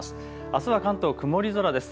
あすは関東曇り空です。